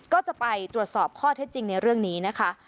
ก็จะไปตรวจสอบข้อเท็จจริงในเรื่องนี้นะคะ